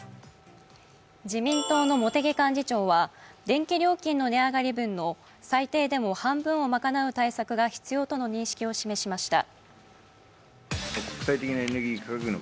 自民党の茂木幹事長は電気料金の値上がり分の最低でも半分をまかなう対策が必要との認識を示しました。